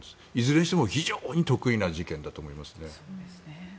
いずれにしても非常に特異な事件だと思いますね。